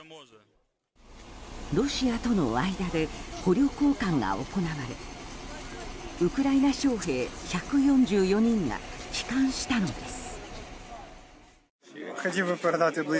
ロシアとの間で捕虜交換が行われウクライナ将兵１４４人が帰還したのです。